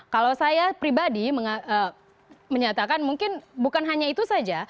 kalau saya pribadi menyatakan mungkin bukan hanya itu saja